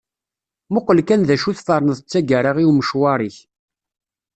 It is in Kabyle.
Muqel kan d acu tferneḍ d tagara i umecwar-ik.